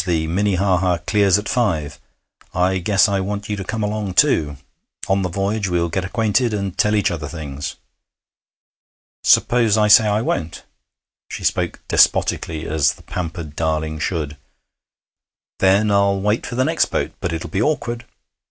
The Minnehaha clears at five. I guess I want you to come along too. On the voyage we'll get acquainted, and tell each other things.' 'Suppose I say I won't?' She spoke despotically, as the pampered darling should. 'Then I'll wait for the next boat. But it'll be awkward.'